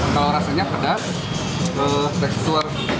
kalau rasanya pedas keksur